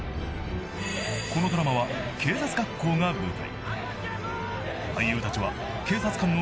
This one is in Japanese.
［このドラマは警察学校が舞台］